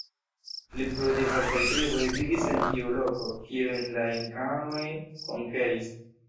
Pli frue diversaj triboj vivis en tiu loko, kiujn la inkaoj konkeris.